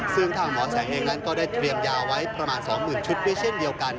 ซึ่งทางหมอแสงเองนั้นก็ได้เตรียมยาไว้ประมาณ๒๐๐๐ชุดด้วยเช่นเดียวกัน